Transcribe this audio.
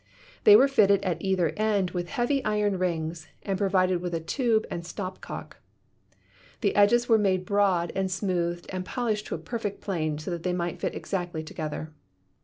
They were fitted at either end with heavy iron rings and provided with a tube and stop cock. The edges were made broad, smoothed and polished to a perfect plane so that they might fit exactly together.